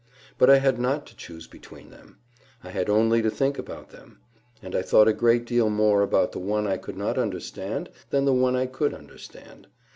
But I had not to choose between them; I had only to think about them; and I thought a great deal more about the one I could not understand than the one I could understand.